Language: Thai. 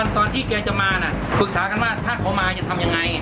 ตอนที่แกจะมาปรึกษากันว่าถ้าเขามาจะทำยังไง